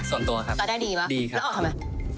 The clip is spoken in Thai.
ภารกิจส่วนตัวครับส่วนตัวครับดีครับแล้วออกทำยังไง